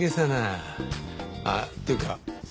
あっっていうか